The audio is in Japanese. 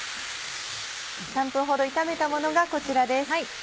３分ほど炒めたものがこちらです。